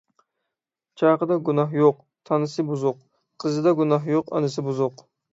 چاقىدا گۇناھ يوق، تانىسى بۇزۇق. قىزىدا گۇناھ يوق، ئانىسى بۇزۇق.